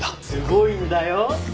すごいんだよ。